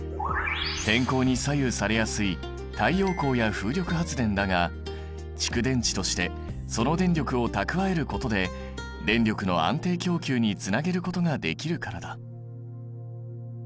天候に左右されやすい太陽光や風力発電だが蓄電池としてその電力を蓄えることで電力の安定供給につなげることができるからだ。